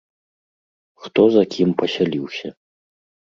Хто за кім пасяліўся.